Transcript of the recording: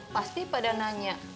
pasti pada nanya